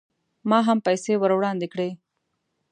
ما هم پیسې ور وړاندې کړې.